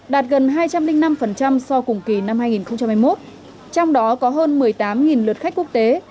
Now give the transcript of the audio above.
đạt gần hai trăm linh năm so với cùng kỳ năm hai nghìn hai mươi một trong đó có hơn một mươi tám lượt khách quốc tế